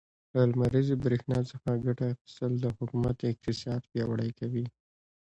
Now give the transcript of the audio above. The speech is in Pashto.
له لمريزې برښنا څخه ګټه اخيستل, د حکومت اقتصاد پياوړی کوي.